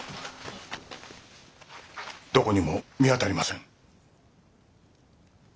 どこにも見当たりません。